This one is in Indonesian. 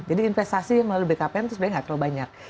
jadi investasi yang melalui bkpm itu sebenarnya tidak terlalu banyak